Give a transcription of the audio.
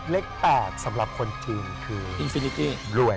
เล็ก๘สำหรับคนทิมคือบรวยอินฟิลิตี้